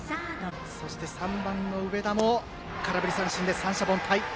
そして３番の上田も空振り三振で三者凡退。